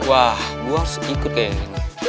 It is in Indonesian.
wah gue harus ikut kayaknya